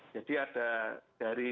jadi ada dari